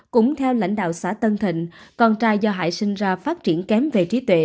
cũng theo lãnh đạo xã tân thịnh con trai do hải sinh ra phát triển kém về trí tuệ